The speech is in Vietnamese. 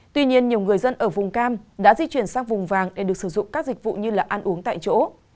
tuy nhiên nhiều người dân ở vùng cam đã di chuyển sang vùng vàng để được sử dụng các dịch vụ như là ăn uống tại chỗ